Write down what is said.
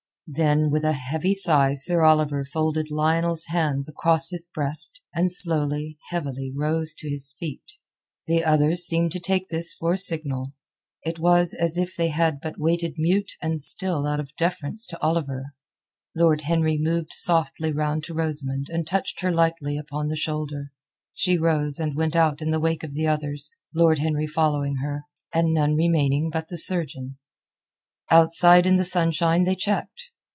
Then with a heavy sigh Sir Oliver folded Lionel's hands across his breast, and slowly, heavily rose to his feet. The others seemed to take this for a signal. It was as if they had but waited mute and still out of deference to Oliver. Lord Henry moved softly round to Rosamund and touched her lightly upon the shoulder. She rose and went out in the wake of the others, Lord Henry following her, and none remaining but the surgeon. Outside in the sunshine they checked.